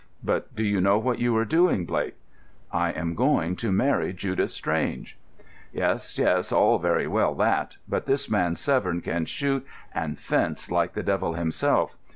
But do you know what you are doing, Blake?" "I am going to marry Judith Strange." "Yes, yes; all very well that. But this man Severn can shoot and fence like the devil himself.